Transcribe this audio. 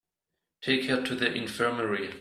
Take her to the infirmary.